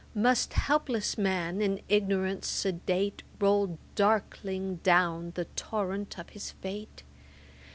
Must helpless man, in ignorance sedate, Roll darkling down the torrent of his fate?